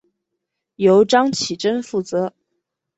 由张启珍负责。